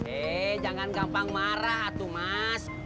eh jangan gampang marah tuh mas